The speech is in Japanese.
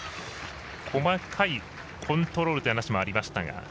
細かいコントロールという話もありましたが。